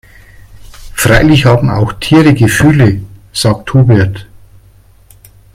"Freilich haben auch Tiere Gefühle", sagt Hubert.